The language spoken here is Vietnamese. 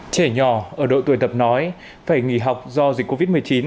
trẻ nhỏ ở độ tuổi tập nói phải nghỉ học do dịch covid một mươi chín